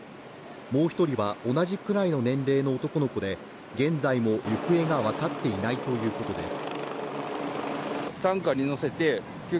もう一人は、同じくらいの年齢の男の子で、現在も行方が分かっていないということです。